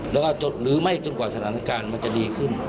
แล้วก็จดหรือไม่จนกว่าสถานการณ์มันจะดีขึ้น